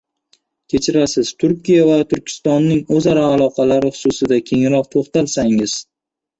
— Kechirasiz, Turkiya va Turkistonning o‘zaro aloqalari xususida kengroq to‘xtalsangiz.